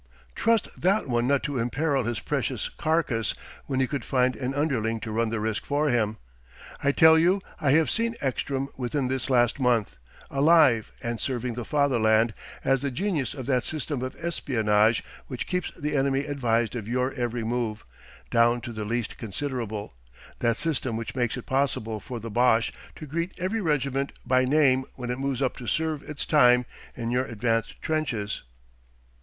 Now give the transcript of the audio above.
Trust that one not to imperil his precious carcase when he could find an underling to run the risk for him! I tell you I have seen Ekstrom within this last month, alive and serving the Fatherland as the genius of that system of espionage which keeps the enemy advised of your every move, down to the least considerable that system which makes it possible for the Boche to greet every regiment by name when it moves up to serve its time in your advanced trenches."